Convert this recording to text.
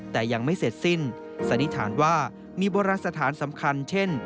แต่ยังไม่เสร็จสิ้นสันนิษฐานว่ามีโบราณสถานสำคัญเช่น